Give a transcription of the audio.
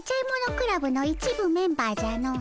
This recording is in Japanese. クラブの一部メンバーじゃの。